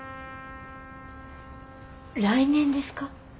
来年ですか？